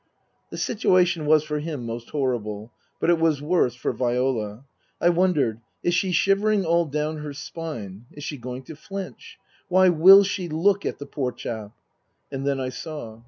The situation was, for him, most horrible ; but it was worse for Viola. I wondered : Is she shivering all down her spine ? Is she going to flinch ? Why will she look at the poor chap ? And then I saw.